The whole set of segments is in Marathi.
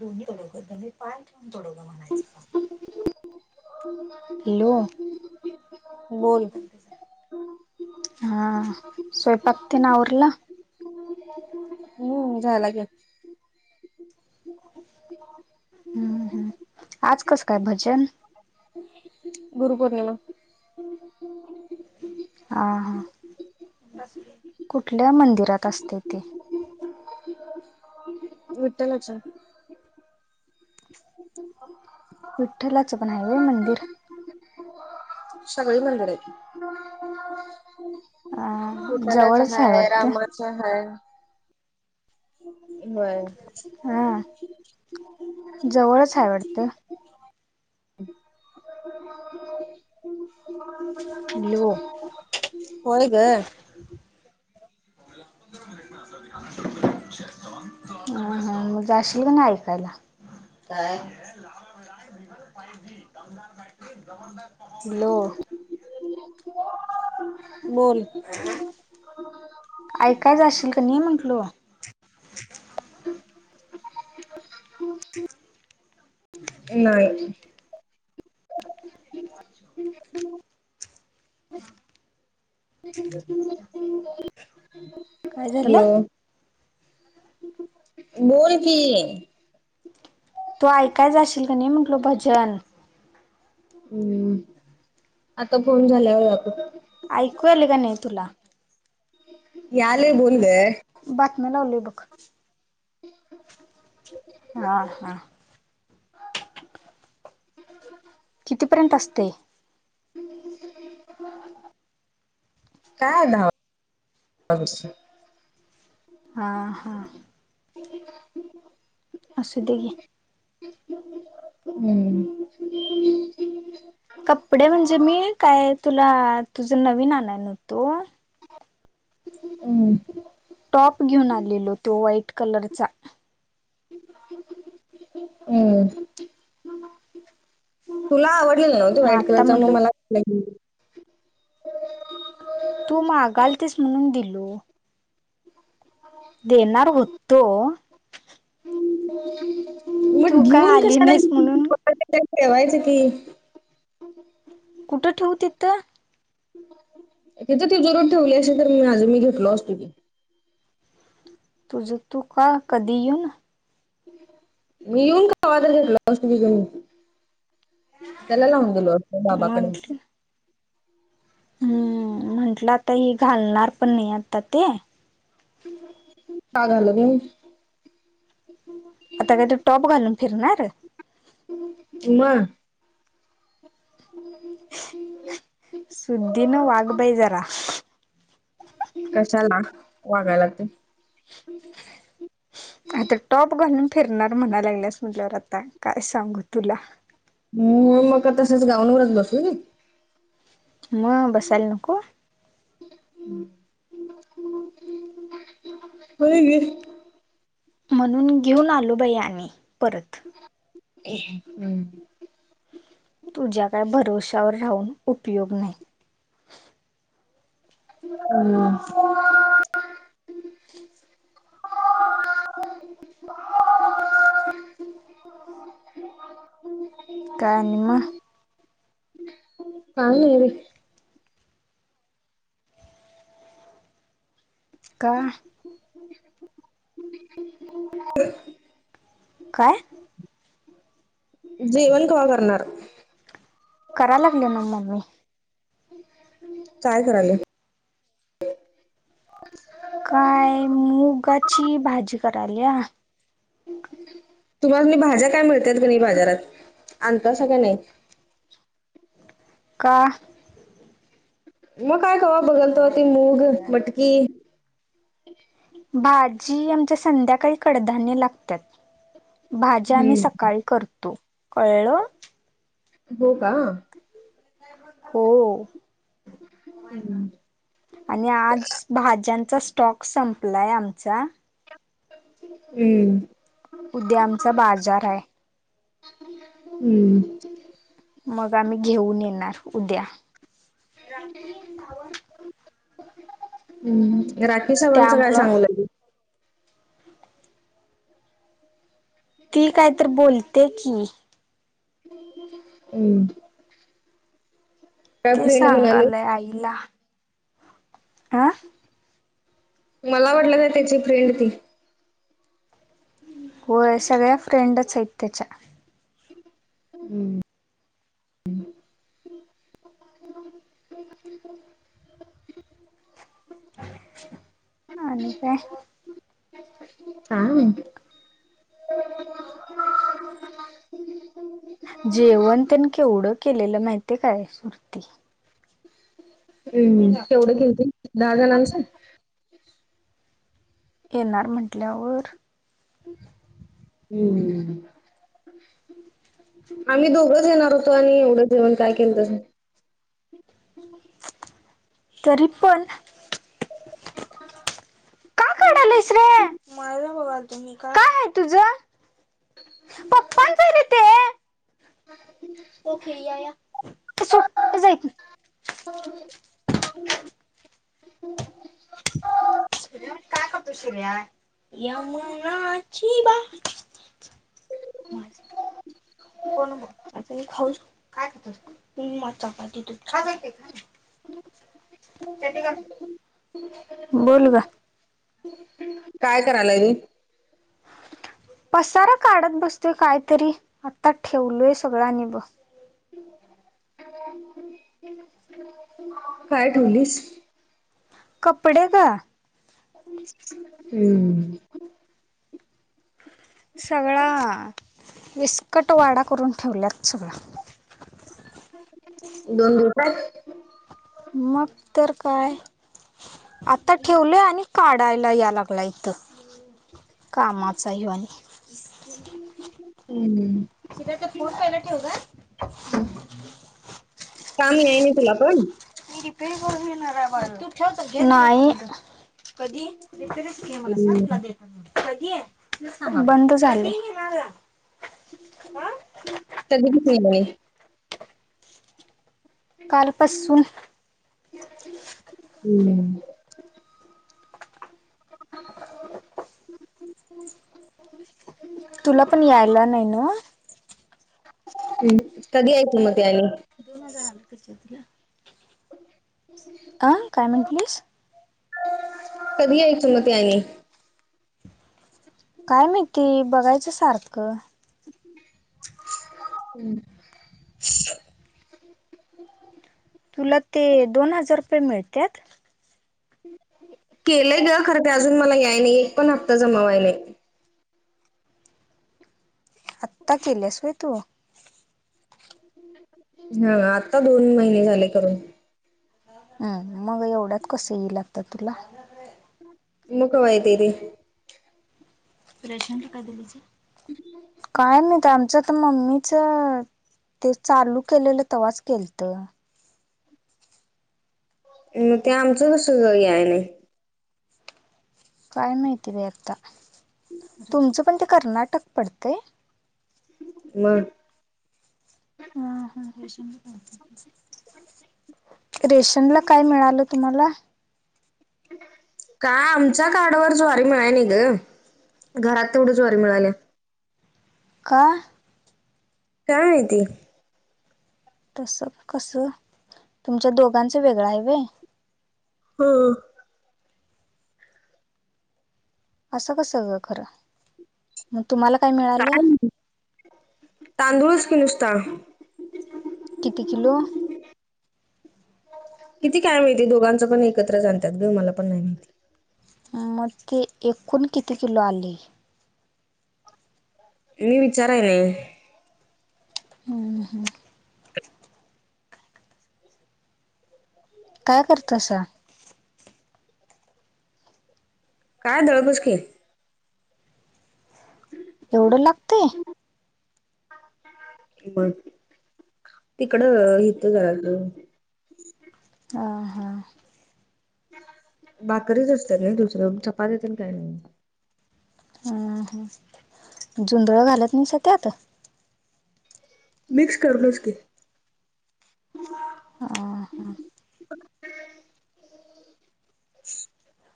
दोन्ही तोडोगं दोन्ही पाय ठेवून तोडोगं म्हणायचं का बोल हा स्वयंपाक त्यांनी आवरला हम्म झाला ग हम्म हम् आज कसं काय भजन गुरु पौर्णिमा [inaudible] हा हा. कुठल्या मंदिरात असते ते? विठलाच्या. विठ्ठलाचं पण हाये व्हय मंदिर? सगळी मंदिरयेत. अ विठ्ठलाच जवळच हाय वाटतं रामाच हाय. व्हय. हा जवळच हाय वटतं. [unintelligible] होय ग. [inaudible] ह ह. म जाशील ना ऐकायला? काय? [inaudible] बोल. ऐकाय जाशील का नाही म्हटलं? नाही. काय हॅलो. झालं बोल की. तू ऐकाय जाशील का नाही म्हटलं भजन? हम्म आता फोन झाल्याव जातो. ऐकू आल का नाही तुला? यालय बोल ग. बातम्या लावलीय बघ. [inaudible] हा ह. कितीपर्यंत असतय? काय आनव? फणस. हा ह. [inaudible] असूदेे की. [inaudible] हम्म. कपडे म्हणजे मी काय तुला, तुझं नवीन आणय नवतो. हम्म. टॉप घेऊन आलेलो तो व्हाईट कलरचा. हम्म, तुला आवड लेलाना् तो मग व्हाईट आता कलरचा. मग म्हंटल मला तू मागालतीस म्हणून दिलो. [inaudible] देनार होतो. मग तू काय घिऊन आली कशाला नाहीस म्हणून [inaudible] ठेवायचं की. कुठं ठिवु तीथं? तिथ तीजोरीत ठेवली असलीस तर, माझं मी घेतलो असतो की. तुझ तू का? कधी येऊन? मी येऊन कावातर घेतलो आसतो की बघूऽ त्याला लावून दिलो असतो बाबाकडं. म्हटलं हम्म, म्हंटलं आता हि घालणार पण नाही आता ते, का घालू नाही. आता काय तु टॉप घालून फिरणार. मग. ह [unintelligible] सुुद्धीन वाग बै जरा. कशाला, वागायला तेऽ आता टॉप घालून फिरणार म्हणाय लागल्यास म्हटल्यावर, आता काय सांगू तुला. हम्म, मग तसच गाऊन वरच बसु. मग, बसायला नको. होय गं. म्हणून घेऊन आलो बाई आणी परत. हम्म. तुझ्या काय भरोवश्यावर, राहून उपयोग नाही. हम्म. [unintelligible] ह [unintelligible] काय नाही बै. का? ह [unintelligible] काय? जेवन कवा करणार? कराय लागल्यानवं मम्मी. काय कराल्या? अच [unintelligible] काय, मुगाची भाजी कराल्या. तुम्हासनी भाज्या काय मिळत्यात का नाही बाजारात, आणतायसा का नाही. का? मग काय, कवा बघल तवा ती मूग, मटकी, भाजी, आमच्या संध्याकाळी कडधान्य लागत्यात. भाज्या आम्ही हम्म सकाळी करतो,, कळलं. हो का. हो. उम. [unintelligible] आणि आज भाज्यांचा स्टॉक संपलाय आमचा. हंमम. उद्या आमचा बाजार आहे उम. मग आम्ही घेऊन येणार उद्या. उम्ह रात ही सगळम सगळ्याला त्यामुळं सांगू लागली. ती काय तर बोलते की. उम. ते सांगालय आईला. आ. मला वाटलं काय, त्याची फ्रेंड ती? होय, सगळ्या फ्रेंडच आहेत त्याच्या. हम्म. [inaudible] आणि काय? काय नाही. जेवण तेन केवढं केलेलं माहितीय काय सुरती? हम्म, केवढं केलत दहा जणांच? येणार म्हंटल्यावर. अम्म. आम्ही दोघंच येणार होतो आणि एवढं जेवण काय केलंतसा? तरी पण. का काढायलायस रे [unintelligible] काय हाय तुझं? [inaudible] पप्पांच आहे रे ते [unintelligible] [unintelligible] शिऱ्या काय करतो शिऱ्या? [unintelligible] [unintelligible] [unintelligible] [inaudible] बोल ग. काय कराय लागली? पसारा काढत बसतोय काय तरी, आता ठेवलोय सगळं आणि ब काय ठेवलीस? कपडे ग. हम्म. सगळ्या विस्कट वाडा करून ठेवल्यात सगळा. दोन दिवसात? मग तर काय. आता ठेवलंय आणि काढायला या लागलाय इथं कामाचा ह्यो आणि. अम्म. शिऱ्या ते फोन पहिला ठेव जा. काम येइनी तुला पण? [unintelligible] नाही. [unintelligible] बंद झालंय. [unintelligible] कालपासून. हम्म. तुला पण यायला नाही नव्ह? हम्म, कधी यायच मग ते आणि? काय, काय म्हटलीस? कधी यायची मग ती आणि? काय माहिती, बघायचं सारखं. हम्म तुला ते दोन हजार रुपये मिळत्यात? [inaudible] केलय ग खर ते अजून मला याय नाही एक पण हप्ता जमा व्हय नाही. आत्ता केल्यास होय तू? [inaudible] हा आत्ता दोन महिने झाले करून. हम् मग एवढ्यात कस येईल आता तुला? मग कवा येतय ते? काय नाही ते आमचच. आता मम्मीच ते चालू केलेल तेवाच केलत. मग ते आमच कस यायलय? काय माहिती बाई आत्ता तुमच पण ते कर्नाटक पडतय. मग रेशनला काय मिळाल? तुम्हाला? काय आमच्या कार्डावर ज्वारी मिळाय नाही ग. घरात तेवढी ज्वारी मिळाली. का? काय आहे ते? तस कस तुमच्या दोघांच वेगळ आहे व्हय. हां अस कस ग खर मग तुम्हाला काय मिळाल? तांदूळच की नुसता. किती किलो? किती काय माहिती दोघांच पण एकत्र आणतात ग मला पण नाही माहिती. मग ते एकूण किती किलो आले? मी विचारायले. हम्म हम्म काय करता सा? काय दळ [unintelligible] एवढ लागतय? मग तिकड हिथ जरा त [unintelligible] ह हां भाकरीच असते का दुसर चपात्या तेन काही नाही. झुंंदळ घालत नाही सध्या आता. मिक्स करलोस की. ह हां [inaudible]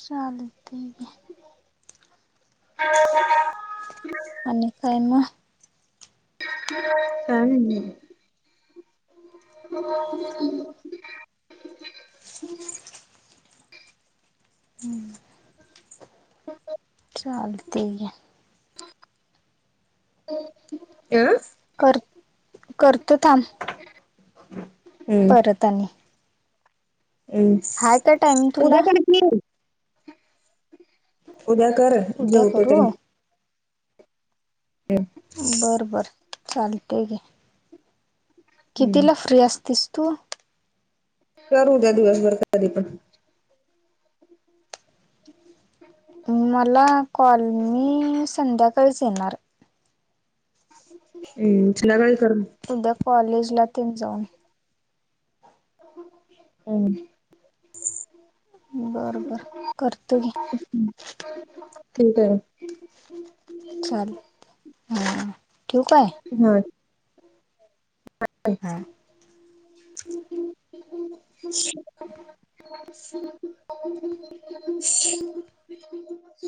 चहा दुध [unintelligible] ह [inaudible] आणि काय मग? काही नाही. ह [inaudible] हम्म चालतय घे. अ कर, करतो थांब. हम्म तनी का टायमिंग हम्म, तुला उद्या पण खीर. उद्या कर उद्या जेवते तर करू मी. बर बर चालतय की. हम्म कितीला फ्री असतीस तू. कर उद्या दिवसभर कधी पण. मला कॉल मी संध्याकाळीच येणार. हम्म चिलागाळी कर. उद्या कॉलेजला तेन जाऊन ये. हम्म बर बर करतो घे ठीक आहे. चालल हा, ठेवू काय? हम्म हा [inaudible]